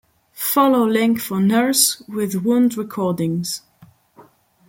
Follow link for Nurse with Wound recordings.